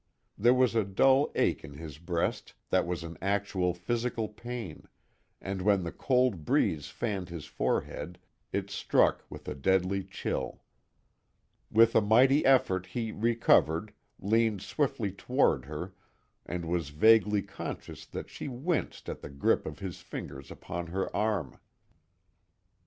There was a dull ache in his breast that was an actual physical pain, and when the cold breeze fanned his forehead, it struck with a deadly chill. With a mighty effort he recovered, leaned swiftly toward her and was vaguely conscious that she winced at the grip of his fingers upon her arm.